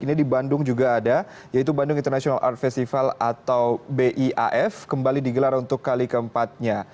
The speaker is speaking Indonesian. ini di bandung juga ada yaitu bandung international art festival atau biaf kembali digelar untuk kali keempatnya